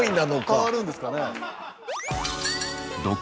伝わるんですかね。